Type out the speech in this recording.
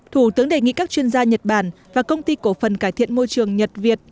thủ tướng đề nghị các chuyên gia nhật bản và công ty cổ phần cải thiện môi trường nhật việt